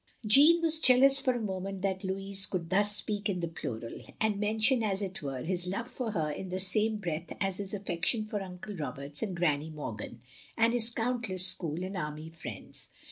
..." Jeanne was jealous for a moment that Lotus could thus speak in the pltiral, and mention, as it were, his love for her in the same breath as his affection for Uncle Roberts and Granny Morgan, and his cotmtless school and army friends.